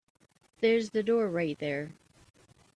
There's the door right there.